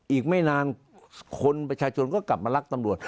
อีกไม่นานคนประชาชนก็กลับมารักตำรวจ